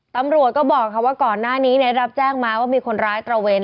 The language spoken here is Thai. ตำรวจก็บอกว่าก่อนหน้านี้ได้รับแจ้งมาว่ามีคนร้ายตระเวน